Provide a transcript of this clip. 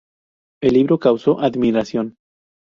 El libro causó admiración.